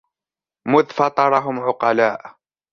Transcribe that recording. مُذْ فَطَرَهُمْ عُقَلَاءَ